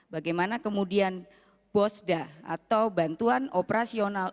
bagaimana kemudian bosda atau bantuan operasional